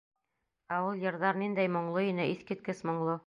Ә ул йырҙар ниндәй моңло ине, иҫ киткес моңло.